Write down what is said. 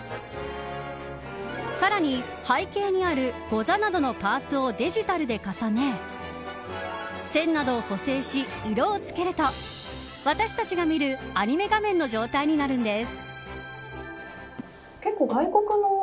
さらに背景にあるゴザなどのパーツをデジタルで重ね線などを補正し、色をつけると私たちが見るアニメ画面の状態になるんです。